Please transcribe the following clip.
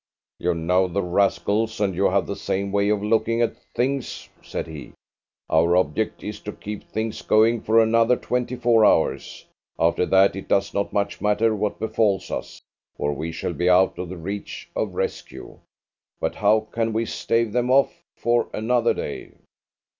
"You know the rascals, and you have the same way of looking at things," said he. "Our object is to keep things going for another twenty four hours. After that it does not much matter what befalls us, for we shall be out of the reach of rescue. But how can we stave them off for another day?"